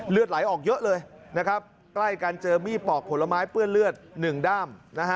เลือดไหลออกเยอะเลยใกล้กันเจอมีปอกผลไม้เปื้อนเลือด๑ด้าม